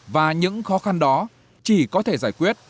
và những khó khăn đó chỉ có thể giải quyết